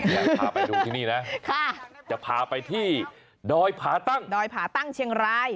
อยากพาไปดูที่นี่นะจะพาไปที่ดอยผาตั้งเชียงราย